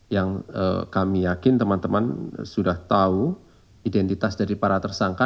yang kami yakin teman teman sudah tahu identitas dari para tersangka